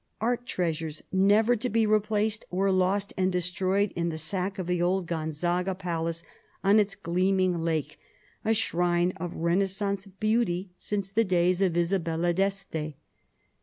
Art treasures never to be replaced were lost and destroyed in the sack of the old Gonzaga palace on its gleaming lake, a shrine of Renaissance beauty since the days of Isabella d'Este.